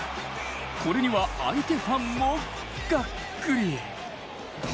これには相手ファンもがっくり。